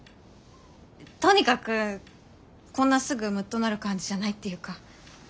とにかくこんなすぐムッとなる感じじゃないっていうか。